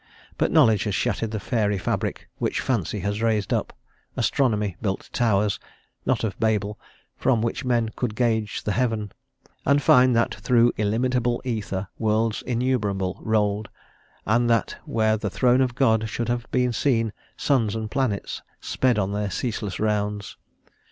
But knowledge has shattered the fairy fabric which fancy had raised up; astronomy built towers not of Babel from which men could gauge the heaven, and find that through illimitable ether worlds innumerable rolled, and that where the throne of God should have been seen, suns and planets sped on their ceaseless rounds.